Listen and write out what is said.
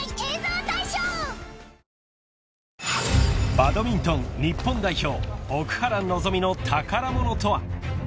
［バドミントン日本代表奥原希望の宝物とは］